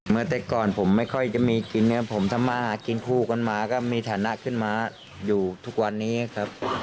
เมื่อแต่ก่อนผมไม่ค่อยจะมีกินเนี่ยผมทำมาหากินคู่กันมาก็มีฐานะขึ้นมาอยู่ทุกวันนี้ครับ